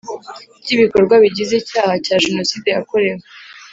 ry ibikorwa bigize icyaha cya Jenoside yakorewe